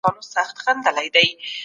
ازاده مطالعه د انسان شعور ته لاره باسي.